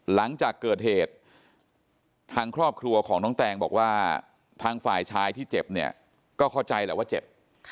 หลังจากเกิดเหตุทางครอบครัวของน้องแตงบอกว่าทางฝ่ายชายที่เจ็บเนี่ยก็เข้าใจแหละว่าเจ็บ